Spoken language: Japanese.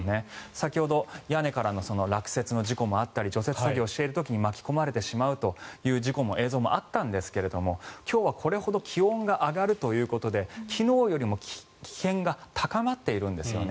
先ほど屋根からの落雪の事故もあったり除雪作業している時に巻き込まれてしまうという事故の映像もあったんですが今日はこれほど気温が上がるということで昨日よりも危険が高まっているんですよね。